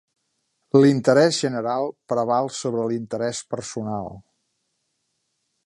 L'interès general preval sobre l'interès personal.